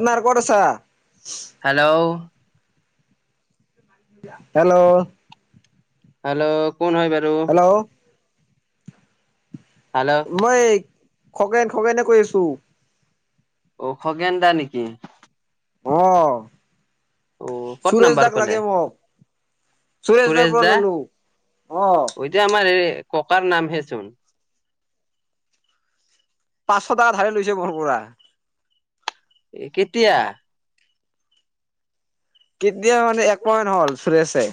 তোনাৰ কত আছা hello hello hello কোন হয় বাৰু হেল্ল' হেল্ল' মই খগেন খগেনে কৈ আছো। অ খগেন দা নেকি আহ অ ক'ত সুৰেশ নাম্বাৰ দাগ পালে লাগে মোক। সুৰেশ দাৰ পৰা ললো আহ। এতিয়া আমাৰ এই ককাৰ নামহেচোন। পাঁচশ টকাৰ ধাৰে লৈছে বৰপুৰা [unintelligible] এ কেতিয়া। কেতি দা মানে একমইণ্ট হল চুৰেশে।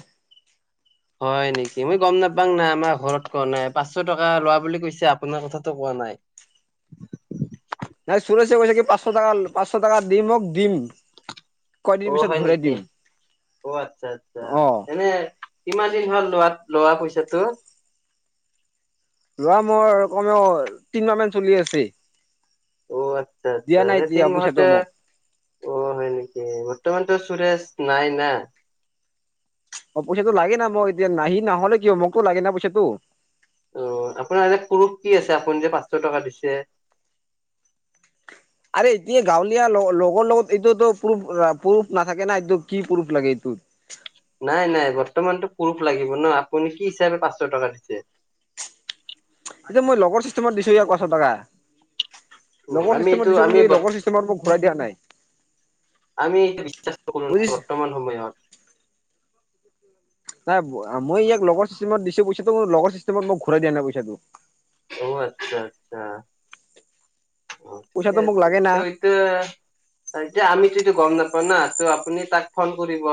হয় নেকি মই গম নাপাওঁ নাই আমাৰ ঘৰত কোৱা নাই পাঁচশ টকা লোৱা বুলি কৈছে আপোনাৰ কথাটো কোৱা। নাই। নাই সুৰেশে কৈছে কি পাঁচশ টকা পাঁচশ টকা দিম হক দিম। [unintelligible] অ হয় নেকি অ আচ্ছা আচ্ছা অ', এনেই কিমান দিন হ'ল লোৱাত লোৱা পইচাটো। লৰা মোৰ কমেও তিনমাহ মান চলি আছে। অ আচ্ছা আচ্ছা দিয়া নাই এই এতিয়া তিনি পইচাটো মাহতে মোক অ হয় নেকি বৰ্তমানতো সুৰেশ নাই ন। অ পইচাটো লাগে না মই এতিয়া নাহি নহলে কি মোকতো লাগে না পইচাটো। অ আপোনাৰ এ পুৰুষ কি আছে আপুনি যে পাঁচশ টকা দিছে। [unintelligible] [inaudible] আৰে এতিয়া গাঁৱলীয়া লগ লগৰ লগত এইটোতো পৰুফ পৰুফ নাথাকে না এইটো কি পৰুফ লাগে এইটো। [unintelligible] [inaudible] নাই নাই বৰ্তমানতো পৰুষ লাগিব ন আপুনি কি হিচাপে পাঁচশ টকা দিছে। [inaudible] এতিয়া মই লগৰ ছিষ্টেমত দিছো ইয়াক পাঁচশ টকা। উম লগৰ আমি চিষ্টেমত এইটো দিছো আমি কিন্তু এই লগৰ চিষ্টেমত মোক ঘূৰাই দিয়া নাই আমি এইটোয়া বিশ্বাস কৰ বুজিছ বৰ্তমান সময়ত নাই মই ইয়াক লগৰ চিষ্টেত দিছো পইচাটো লগৰ চিষ্টেমত মই ঘূৰাই দিয়া নাই পইচাটো। অ আচ্ছা আচ্ছা। অ পইচাটো ঠিকেই মোক আছে লাগে না এতিয়া আমি টোত গম নাপ ওনা' আপুনি তাক ফোন কৰিব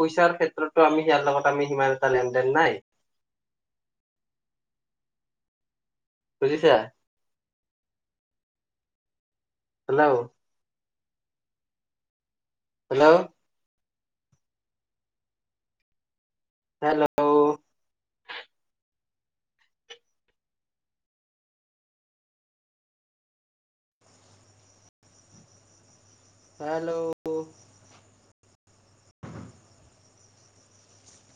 পইচাৰ ক্ষেত্ৰো আমি ইয়াৰ লগত আমি সিমান এটা লেন দেন নাই। [inaudible] বুজিছা। হেল্ল'। Hello hello hello